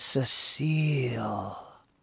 Cecile!"